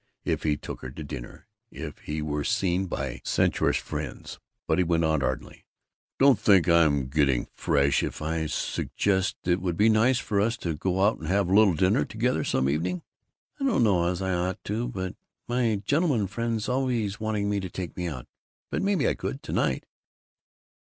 If he took her to dinner, if he were seen by censorious friends But he went on ardently: "Don't think I'm getting fresh if I suggest it would be nice for us to go out and have a little dinner together some evening." "I don't know as I ought to but My gentleman friend's always wanting to take me out. But maybe I could to night."